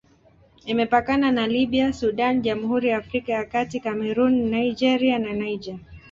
Imepakana na Libya, Sudan, Jamhuri ya Afrika ya Kati, Kamerun, Nigeria na Niger.